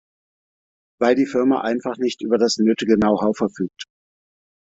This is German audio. Weil die Firma einfach nicht über das nötige Know-how verfügt.